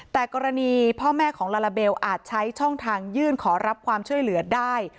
แต่กรณีพ่อแม่ของลาลาเบลอาจใช้ช่องทางยื่นขอรับความช่วยเหลือได้